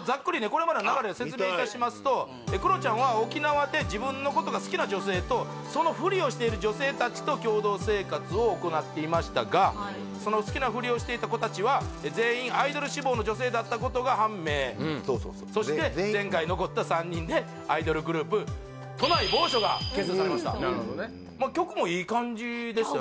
これまでの流れ説明いたしますとクロちゃんは沖縄で自分のことが好きな女性とそのふりをしている女性たちと共同生活を行っていましたがその好きなふりをしていた子たちは全員アイドル志望の女性だったことが判明そして前回残った３人でアイドルグループ都内某所が結成されました曲もいい感じでしたよね